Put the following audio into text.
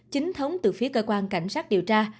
chính thống từ phía cơ quan cảnh sát điều tra